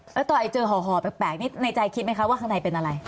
แล้วตอนเจอห่อแปลกนี่ในใจคิดไหมคะว่าข้างในเป็นอะไร